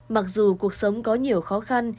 mặc dù cuộc sống có nhiều khó khăn